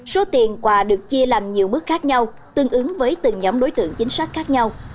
số tiền quà được chia làm nhiều mức khác nhau tương ứng với từng nhóm đối tượng chính sách khác nhau